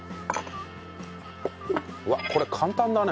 うわっこれ簡単だね。